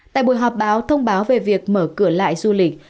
tại buổi họp báo thông báo về việc mở cửa lại du lịch